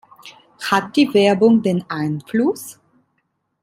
Hat die Werbung denn Einfluss?